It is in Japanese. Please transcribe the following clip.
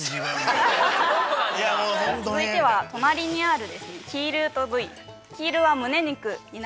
続いては隣にある。